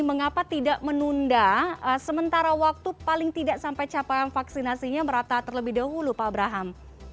mengapa tidak menunda sementara waktu paling tidak sampai capaian vaksinasinya merata terlebih dahulu pak abraham